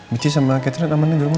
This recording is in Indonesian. michi sama catherine aman aja dulu